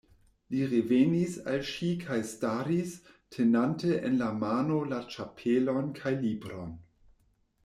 Li revenis al ŝi kaj staris, tenante en la mano la ĉapelon kaj libron.